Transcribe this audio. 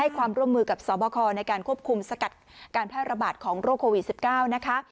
ความร่วมมือกับสอบคอในการควบคุมสกัดการแพร่ระบาดของโรคโควิด๑๙นะคะ